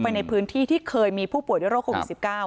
ในพื้นที่ที่เคยมีผู้ป่วยด้วยโรคโควิด๑๙